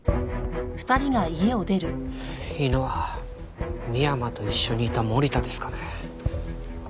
犬は深山と一緒にいた森田ですかね？